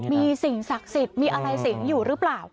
มีสิ่งศักดิ์สิทธิ์มีอะไรสิงอยู่หรือเปล่า